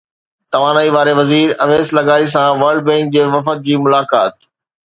توانائي واري وزير اويس لغاري سان ورلڊ بينڪ جي وفد جي ملاقات